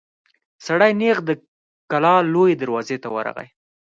سړی نېغ د کلا لويي دروازې ته ورغی.